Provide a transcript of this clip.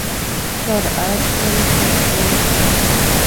سرعت تل کنټرول کړه.